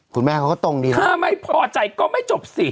คุณแม่เขาก็ตรงดีนะถ้าไม่พอใจก็ไม่จบสิ